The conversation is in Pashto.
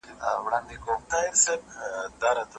او دا خوب مي تر وروستۍ سلګۍ لیدلای.